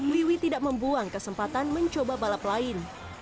liwi tidak membuang kesempatan mencoba balap lain